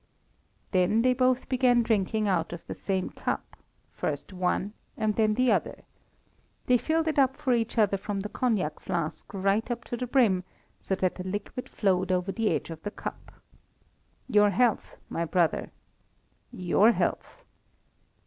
Then they both began drinking out of the same cup, first one and then the other. They filled it up for each other from the cognac flask right up to the brim, so that the liquid flowed over the edge of the cup. "Your health, my brother!" "Your health!"